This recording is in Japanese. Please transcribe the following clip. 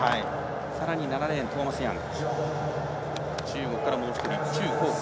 さらに７レーントーマス・ヤング。